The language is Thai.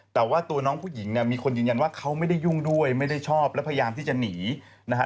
แต่ว่าตัวน้องผู้หญิงเนี่ยมีคนยืนยันว่าเขาไม่ได้ยุ่งด้วยไม่ได้ชอบและพยายามที่จะหนีนะฮะ